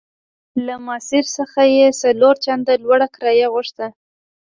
له ماسیر څخه یې څلور چنده لوړه کرایه غوښته.